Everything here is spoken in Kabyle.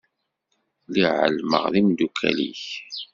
Lliɣ εelmeɣ d imdukal-ik.